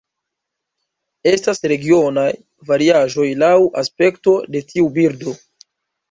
Estas regionaj variaĵoj laŭ aspekto de tiu birdo.